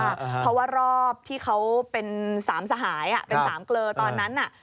เพราะว่ารอบที่เขาเป็นสามสหายเป็นสามเกลอตอนนั้นน่ะ